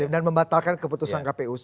dan membatalkan keputusan kpu